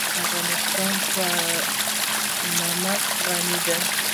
افغانستان په نمک غني دی.